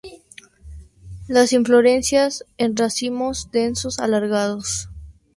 Las inflorescencias en racimos densos, alargados.